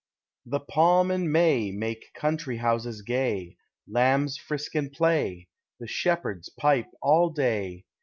The palm and ma}' make country houses gay, Lambs frisk and play, the shepherds pipe all day.